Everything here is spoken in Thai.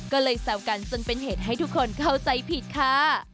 ก็เลยแซวกันจนเป็นเหตุให้ทุกคนเข้าใจผิดค่ะ